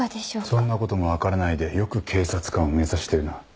そんなことも分からないでよく警察官を目指してるな。